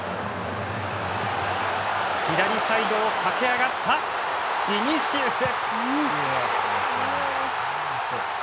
左サイドを駆け上がったビニシウス。